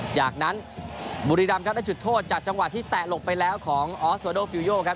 จากนั้นบุรีรำครับได้จุดโทษจากจังหวะที่แตะหลบไปแล้วของออสวาโดฟิลโยครับ